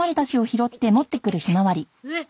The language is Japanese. えっ？